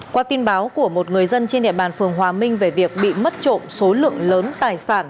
qua tin báo của một người dân trên địa bàn phường hòa minh về việc bị mất trộm số lượng lớn tài sản